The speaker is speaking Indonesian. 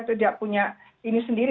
tidak punya ini sendiri